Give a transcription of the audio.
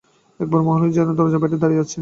একবার মনে হল, যেন দরজার বাইরে দাঁড়িয়ে আছে।